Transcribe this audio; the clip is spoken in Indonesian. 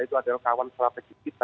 itu adalah kawan strategis